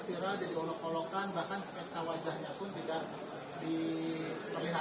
nah itu seperti viral jadi bolok bolokan bahkan sketch nya wajahnya pun tidak diperlihatkan